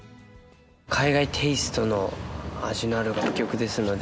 海外テイストの味のある楽曲ですので、